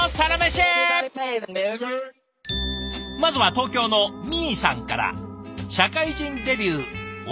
まずは東京のみーさんから。